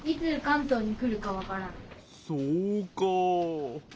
そうかあ。